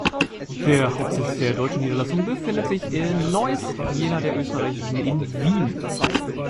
Der Hauptsitz der deutschen Niederlassung befindet sich in Neuss, jener der österreichischen in Wien.